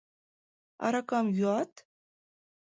Аракам йӱат?